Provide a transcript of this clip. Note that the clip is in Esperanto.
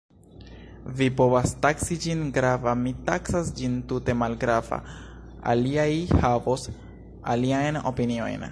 Vi povas taksi ĝin grava, mi taksas ĝin tute malgrava, aliaj havos aliajn opiniojn.